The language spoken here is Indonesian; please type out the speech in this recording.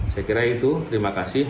saya kira itu terima kasih